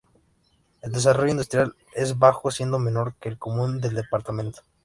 El desarrollo industrial es bajo, siendo menor que el común del Departamento.